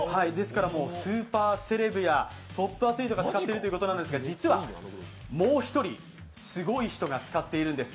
スーパーセレブやトップアスリートが使っているということですが実は、もう一人すごい人が使っているんです。